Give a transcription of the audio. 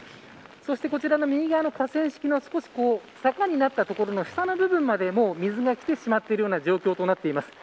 そして、こちらの右側の河川敷の少し坂になった所の下の部分まで水がきている状況となっています。